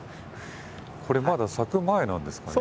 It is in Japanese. これまだ咲く前なんですかね。